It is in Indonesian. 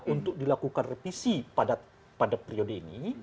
untuk dilakukan revisi pada periode ini